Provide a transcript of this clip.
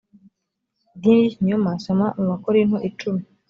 idini ry’ikinyoma soma mu abakorinto icumi